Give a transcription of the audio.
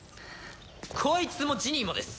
こいつもジニーもです